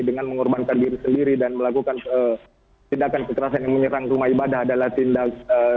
dengan mengorbankan diri sendiri dan melakukan tindakan kekerasan yang menyerang rumah ibadah adalah tindakan